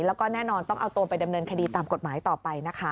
แล้วก็แน่นอนต้องเอาตัวไปดำเนินคดีตามกฎหมายต่อไปนะคะ